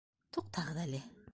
Туҡтағыҙ әле.